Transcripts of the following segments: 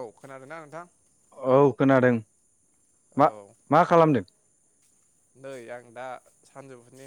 औ खोनादोंना नोंथां। औ खोनादों। औ मा-मा खालामदों? नै आं दा सानजौफुनि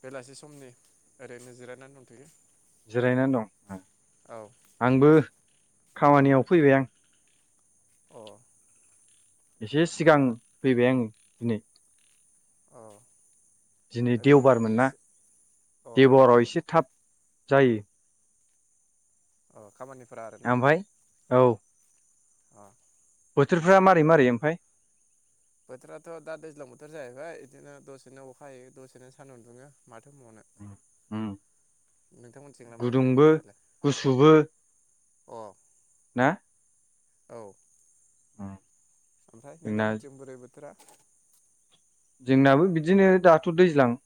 बेलासि समनि ओरैनो जिरायनानै दंथ'यो। जिरायनानै दं। औ आंबो खामानियाव फैबाय आं अ एसे सिगां फैबाय आङो दिनै अ दिनै ओरैनो देवबारमोन ना एसे अ देवाराव एसे थाब जायो अ खामानिफोरा आरो ना ओमफ्राय औ अ बोथोरफ्रा मारै मारै ओमफाय बोथोराथ' दा दैज्लां बोथोर जाहैबाय बिदिनो दसेनो अखा हायो दसेनो सानदुं दुङो माथो बुंबावनो नोंथांमोनिथिंलाय माबोरै गुदुंबो बोथोरालाय? गुसुबो अ ना औ ओमफ्राय जोंना नोंथांमोनसिम बोरै बोर थोरा जोंनाबो बिदिनो दाथ' दैज्लां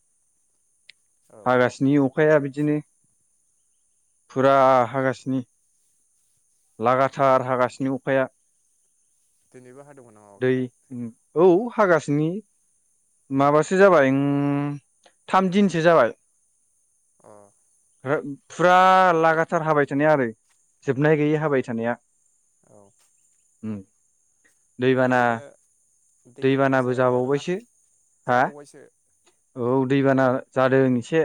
औ हागासिनो अ खाया बिदिनो औ फुरा हागासिनो उम लागाथार हागासिनो अखाया दिनैबो हाादोंमोन नामा दै अखाया? औ हागासिनो अ माबासो जाबाय ओं थाम दिनसो जाबाय अ ओहो फुरा लागाथार हाबाय थानाया आरो जोबनाय गैयै थाबाय थानाया औ उम दैबाना ओरैनो दैबानाफोर दैबानाबो जायाखै आरोना जाबावबायसो हा जाबावबायसो औ दैबाना जादों एसे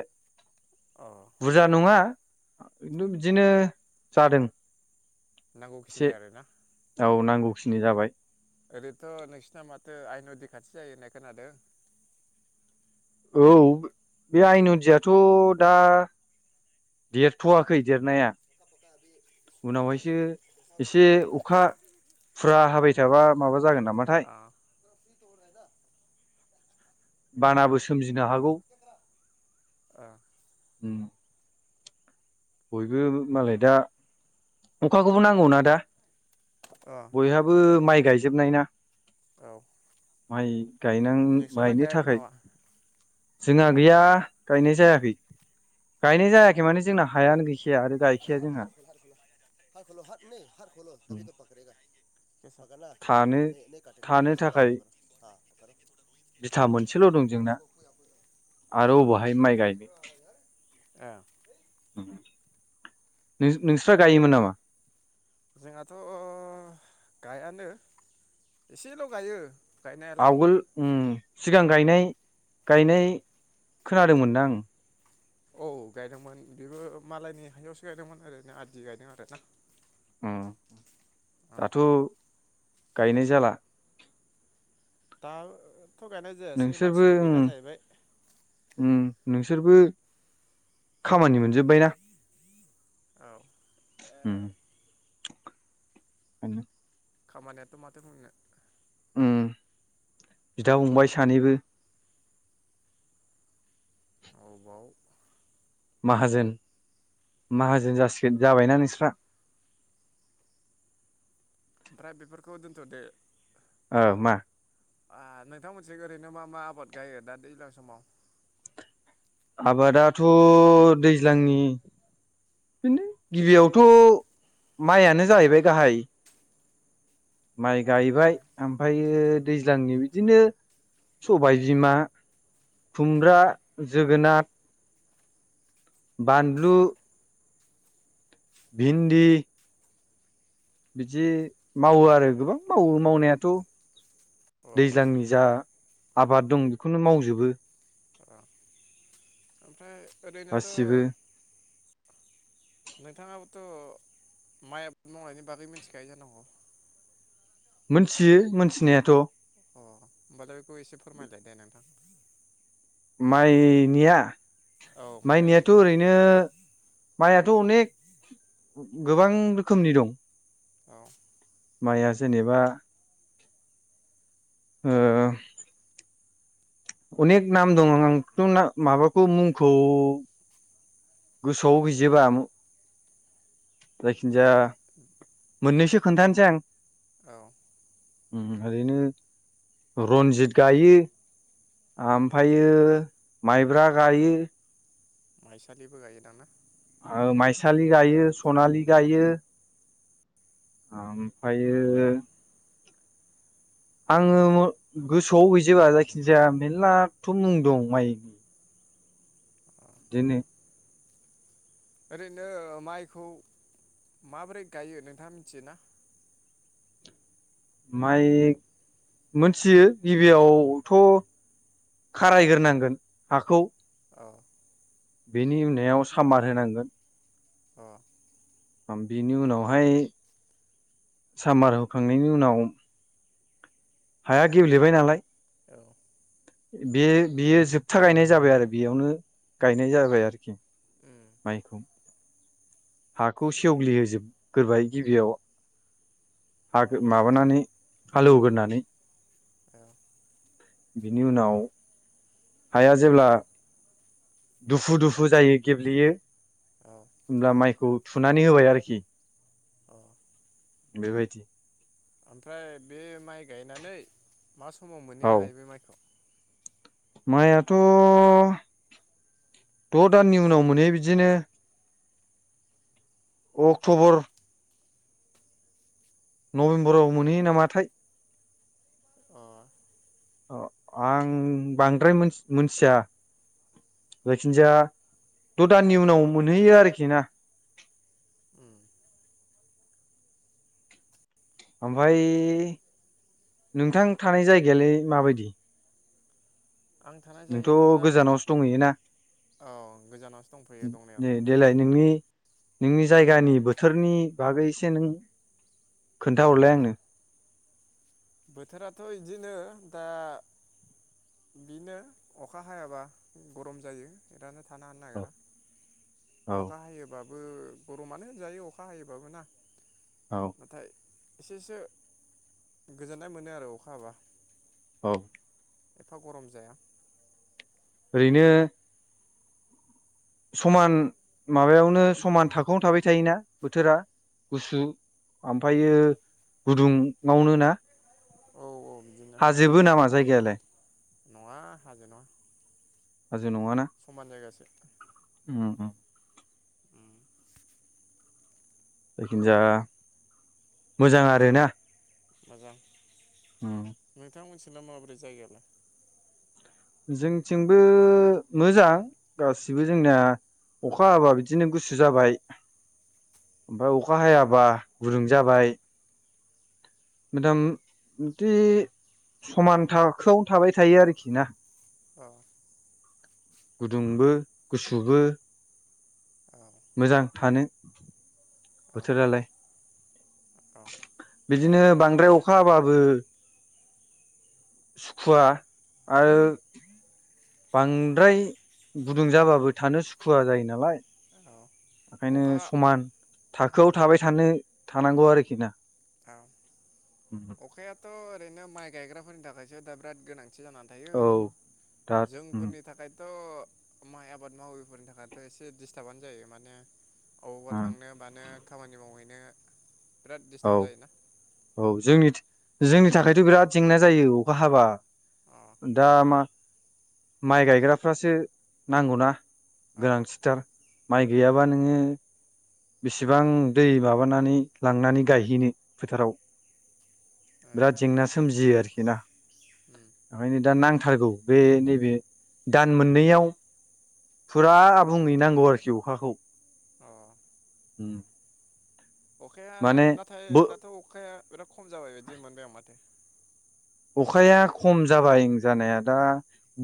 अ बुरजा नङा [unintelligible] बिदिनो जादों एसे नांगौखिनि आरोना औ नांगौखिनि जाबाय ओरैथ' नोंसिना माथो आइ नदि खाथि जायो होननाय खोनादों औ बे आइ नदियाथ' दा देरथ'वाखै देरनाया उनावहायसो एसे अखा फुरा हाबाय थाबा माबा जागोन नामाथाय अ बानाबो सोमजिनो हागौ। अ उम बयबो मालाय दा अखाखौबो नांगौना दा। अ बयहाबो माइ गायजोबनाय ना। औ। माय गायनां नोंस्रालाय गायनो गायाखै थाखाय। नामा जोंहा गैया गायनाय जायाखै गायनाय जायाखै माने जोंना‌। हायानो गैखाया आरो गाय [inaudible] थानो थानो थाखाय [inaudible] बिथा मोनसेल' दं जोंना आरो अबावहाय माइ गायनो। ए। ओम नों नोंस्रा गायोमोन नामा? जोंहाथ' गायानो एसेल' गायो गायनायालाय आवगोल ओम सिगां गायनाय गायनाय खोनादोंमोनदा आं। औ गायदोंमोन बेबो मालायनि हायावसो गायदोंमोन ओरैनो आदि गायदों आरोना। ओम। दाथ'। गायनाय जाला। दा। थ' गायनाय जायासै नोंसोरबो मानसिबो उम गैला जाहैबाय उम नोंसोरबो खामानि मोनजोब्बाय ना। औ। उम उम। खामानियाथ माथो बुंनो। उम बिदा फंबाय सानैबो। अबाव। माहाजोन माहाजोन जासिगोन जाबायना नोंस्रा ओमफ्राय बेफोरखौ दोनथदो। ओ मा। नोंथांमोनथिं ओरैनो मा मा आबाद गायो दा दैज्लां समाव आबादाथ दैज्लांनि बिनो गिबियावथ माइयानो जाहैबाय गाहाय माइ गायबाय ओमफायो दैज्लांनि बिदिनो सबाय बिमा खुमब्रा जोगोनाथ बानलु भिन्दि बिदि मावो आरो गोबां मावो मावनायाथ अ दैज्लांनि जा आबाद दं बेखौनो मावजोबो। अ ओमफ्राय ओरैनोथ गासिबो नोंथाङाबोथ माइ आबाद मावनायनि बागै मिथिखायो जानांगौ मोनथियो मोनथिनायाथ अ होमबालाय बेखौ एसे फोरमायलाय दे नोंथां माइ निया औ माइ माइनियाथ गायनायनिया ओरैनो माइयाथ अनेक गोबां रोखोमनि दं औ माइया जेनेबा [inaudible] ओ अनेख नाम दं आंथ नाम माबाखौ मुंखौ गोसोआव गैजोबा दे जायखिनजाया मोननैसो खोन्थानोसै आं औ उम ओरैनो रनजित गायो ओमफायो माइब्रा गायो माइसालिबो गायो दां ना? ओ माइसालि गायो सनालि गायो ओमफ्रायो आङो गोसोआव गैजोबा जायखिजाया मेरलाथ मुं दं माइनि बिदिनो ओरैनो माइखौ माबोरै गायो नोंथाङा मिनथियो ना? माइ मोनथियो गिबियावथ खारायग्रोनांगोन हाखौ अ बेनि उननायाव साम्बार होनांगोन अ बेनि उनावहाय सामार होखांनायनि उनाव हाया गेब्लेबाय नालाय औ बे बेयो जोबथा गायनाय जाबाय आरो बेयावनो गायनाय जाबाय आरोखि उम माइखौ हाखौ सेवग्लिहोजोबग्रोबाय गिबियाव हा औ माबानानै हालेवग्रोनानै औ बिनि उनाव हाया जेब्ला दुफु दुफु जायो गेब्लेयो औ होमब्ला माइखौ थुनानै होबाय आरोखि अ बेबायदि ओमफ्राय बे माइ गायनानै मा समाव मोनहैनो औ हायो बे माइखौ माइआथ द दाननि उनाव मोनहैयो बिदिनो अक्टबर नभेम्बराव मोनहैयो नामाथाय अ अ आं बांद्राय मोन-मोनथिया जायखिजाया द दाननि उनाव मोनहैयो आरोखि ना उम ओमफ्राय नोंथां थानाय जायगायालाय माबायदि आं थानाय नोंथ' जायगायाथ दा गोजानावसो दंहैयोना औ गोजानावसो दंफैयो दे दंनायाथ देलाय नोंनि नोंनि जायगानि बोथोरनि बागै एसे नों खोन्थाहरलाय आंनो बोथोराथ' बिदिनो दा बिनो अखा हायाबा गरम जायो बिरानो थानो हानो औ नागिरा औ अखा हायोबा बो गरमानो होनजायो अखा हायोबाबो ना औ [inaudible] नाथाय एसेसो गोजोननाय मोनो आरो अखा हाबा औ एफा गरम जाया‌ ओरैनो समान माबायावनो समान थाखोआवनो थाबाय थायोना बोथोरा गुसु ओमफ्रायो गुदुङावनो ना औ औ बिदिनो [inaudible] हाजोबो नामा जायगायालाय? नङा हाजो नङा हाजो नङाना? समान जायगासो उम जायखिजाया मोजां आरो ना? मोजां नोंथां मोनसे नोंना माबोरै जायगायालाय? जोंथिंबो मोजां गासिबो जोंनाया अखा हाबा बिदिनो गुसु जाबाय ओमफ्राय अखा हायाबा गुुदुं जाबाय। [unintelligible] बिदि समान थाखोआवनो थाबाय थायो आरोखि ना? औ गुदुंबो गुसुबो। औ मोजां थानो औ बोथोरालाय औ बिदिनो बांद्राय अखा हाबाबो सुखुवा आरो बांद्राय गुदुं जाबाबो थानो सुखुवा जायो नालाय। औ ओंखायनो अखा समान थाखोआव थाबाय थानो थानांगौ आरोखि ना? औ अखायाथ' ओरैनो माइ गायग्राफोरनि थाखायसो दा बिराद गोनांथि। थि जानानै थायो औ दा जोंफोरनि थाखाय थ' माइ आबाद माविफोरनि थाखायथ' एसे दिस्टाबानो जायो माने अबावबा थांनो मानो खामानि मावहै नो बिराद औ दिस्टार्ब जायोना औ जोंनिथि जोंनि थाखायथ' बिराद जेंना जायो अखा हाबा अ दा मा माइ गायग्राफ्रासो नांगौना। औ गोनांथिथार। माइ गैयाब्ला नोङो बेसेबां दै माबानानै लांनानै गायहैनो फोथाराव ए बिराद जेंना सोमजियो आरोखि ना उम ओंखायनो दा नांथारगौ बे नैबे दान मोननैयाव फुरा आबुङै नांगौ आरोखि अखाखौ। अ उम अखाया नाथाय दाथ' अखाया बिराद खम जाबाय बिदि मोनबाय आं माथो? अखाया खम जाबाय जानाया दा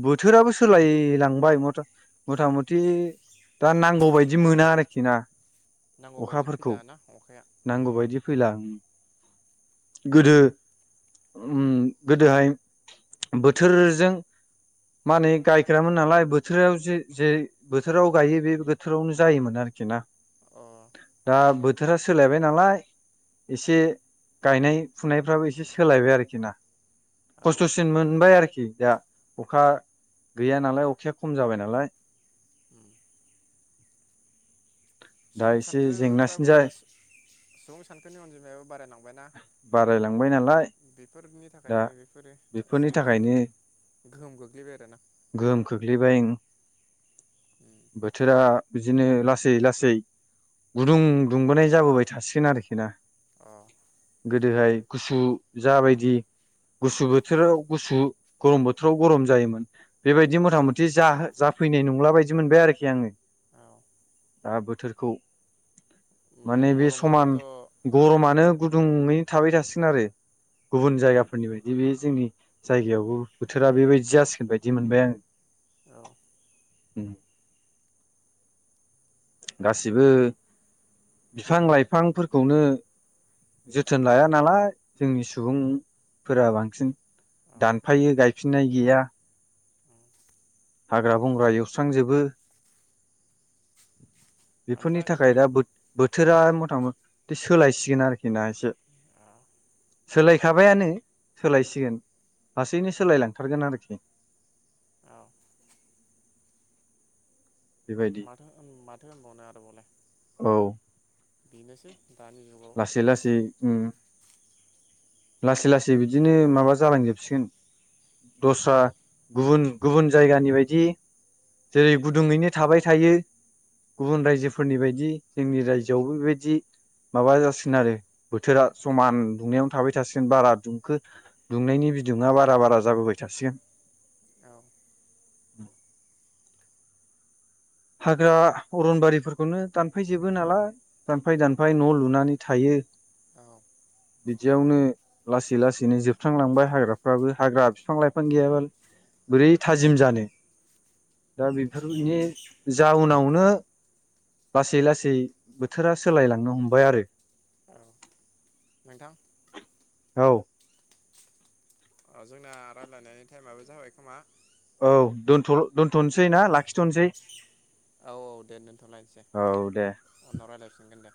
बोथोराबो सोलायलांबाय मथा मथा मथि दा नांगौबायदि मोना आरोखि ना नांगौ बायदि अखाफोरखौ फैला ना अखाया नांगौबायदि फैला उम गोदो उम गोदोहाय बोथोरजों मानि गायखायामोन नालाय बोथोराव जे जेरै बोथोराव गायो बे बोथोरावनो जायोमोन आरोखि ना। अ दा बोथोरा सोलायबाय नालाय एसे गायनाय फुनायफ्राबो एसे सोलायबाय आरोखि ना औ खस्थ'सिन मोनबाय आरोखि दा अखा गैया नालाय अखाया खम जाबाय नालाय उम दा सुबुं एसे जेंनासिन सानखोफ्राबो जा सुबुं सानखोनि अनजिमायाबो बारायलांबायना बारायलांबाय नालाय बेफोरनि दा थाखायनो बेफोरो बेफोरनि एसे गोहो थाखायनो गोहोम गोग्लैबाय आरोना [unintelligible] उम बोथोरा बिदिनो लासै लासै गुदुं दुंबोनाय जाबोबाय थासिगोन आरोखि ना अ गोदोहाय गुसु जाबायदि गुसु बोथोराव गुसु गरम बोथोराव गरम जायोमोन बेबायदि मथा औ मथि जाहै जाफैनाय नंला बायदि मोनबाय आरोखि आङो औ दा बोथोरखौ उम माने बे समान गरमाबोथ' औ गरमानो गुदुङै थाबाय थासिगोन आरो गुबुन जायगा फोरनि बायदि बे जोंनि जायगायावबो बोथोरा बेबायदि जासिगोन बायदि मोनबाय औ आङो। गासिबो बिफां लाइफांफोरखौनो जोथोन लाया नालाय जोंनि सुबुं फोरा बांसिन औ दानफायो गायफिननाय गैया हाग्रा बंग्रा एवस्रां जोबो बेफोरनि ओमफ्राय थाखाय नों दा बोथ बोथ थोरा मथा मथि सोलायसिगोन आरोखि ना एसे औ सोलायखाबायानो सोलायसिगोन लासैनो सोलायलांथारगोन आरोखि औ बेबायदि माथो होन‌ माथो होनबावनो [unintelligible] औ। बेनोसै। दानि जुगाव लासै लासै उम लासै लासै बिदिनो माबा जालांजोबसिगोन दस्रा गुबुन गुबुन जायगानि बायदि जेरै गुदुङैनो थाबाय थायो गुबुन रायजोफोरनि बायदि जोंनि रायजोआवबो बेबायदि माबा जासिगोन आरो बोथोरा समान दुंनायावनो थाबाय थासिगोन बारा दुंखो दुंनायनि बिदुङा बारा बारा जाबोबाय थासिगोन। औ हाग्रा अरनबारिफोरखौनो दानफायजोबो नालाय दानफाय दानफाय न' लुनानै थायो औ बिदियावनो लासै लासैनो जोबस्रांलांबाय हाग्राफ्राबो हाग्रा बिफां लाइफां गैयाबा बोरै थाजिम जानो दा बेफोरनि जाउनावनो लासै लासै बोथोरा सोलायलांनो हमबाय आरो। औ नोंथां। औ। ओ जोंना रायलायनाय टाइमाबो जाबाय खोमा? औ दोनथ' दोनथनसै ना लाखिथनसै? औ औ दे दोनथ'लायसै दे उनाव रायलायफिनगोन दे।